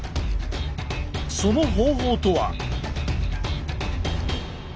その方法とは。